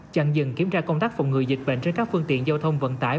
chẳng dừng kiểm tra công tác phòng người dịch bệnh trên các phương tiện giao thông vận tải